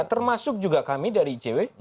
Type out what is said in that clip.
termasuk juga kami dari icw